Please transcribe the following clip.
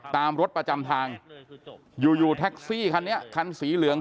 ตามรถประจำทางอยู่อยู่แท็กซี่คันนี้คันสีเหลือง